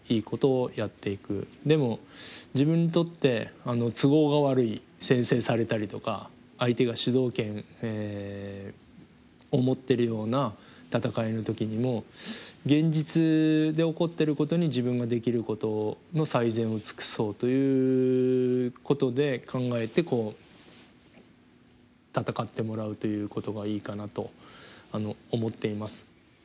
でも自分にとって都合が悪い先制されたりとか相手が主導権を持ってるような戦いの時にも現実で起こってることに自分ができることの最善を尽くそうということで考えて戦ってもらうということがいいかなと思っています。